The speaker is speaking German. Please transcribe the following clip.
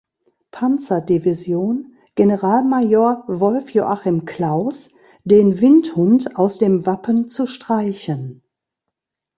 Panzerdivision, Generalmajor Wolf-Joachim Clauß, den Windhund aus dem Wappen zu streichen.